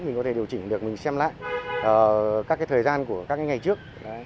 mình có thể điều chỉnh được mình xem lại các cái thời gian của các ngày trước